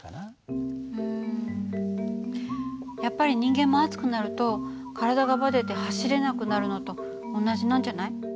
うんやっぱり人間も暑くなると体がバテて走れなくなるのと同じなんじゃない？